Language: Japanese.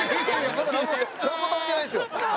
「まだ何も食べてないですよ」